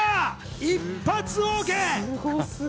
一発ＯＫ！